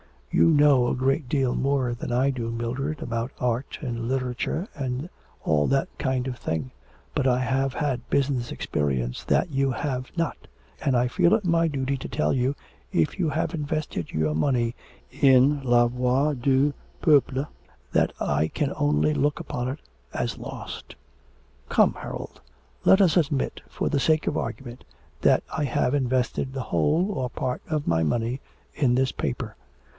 'You know a great deal more than I do, Mildred, about art and literature and all that kind of thing, but I have had business experience that you have not, and I feel it my duty to tell you if you have invested your money in La Voix du Peuple that I can only look upon it as lost.' 'Come, Harold. Let us admit, for the sake of argument, that I have invested the whole or part of my money in this paper.'